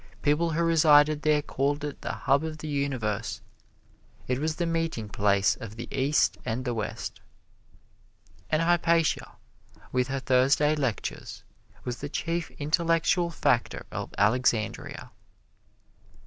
People who resided there called it the hub of the universe. It was the meeting place of the East and the West. And Hypatia, with her Thursday lectures, was the chief intellectual factor of Alexandria.